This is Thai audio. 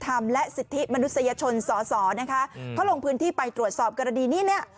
ธรรมและสิทธิมนุษยชนสอสอนะคะเขาลงพื้นที่ไปตรวจสอบกรณีนี้เนี่ย